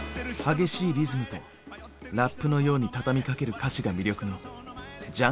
激しいリズムとラップのように畳みかける歌詞が魅力の「ＪＵＮＫＬＡＮＤ」。